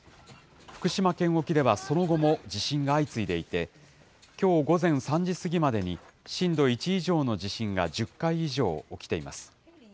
福島県沖ではその後も地震が相次いでいて、きょう午前３時過ぎまでに、震度１以上の地震が１０回以上起きています。